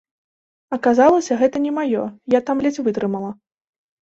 Аказалася, гэта не маё, я там ледзь вытрымала.